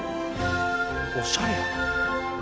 おしゃれやな。